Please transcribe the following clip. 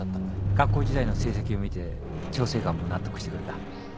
学校時代の成績を見て調整官も納得してくれた。